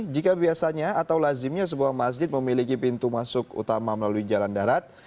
jika biasanya atau lazimnya sebuah masjid memiliki pintu masuk utama melalui jalan darat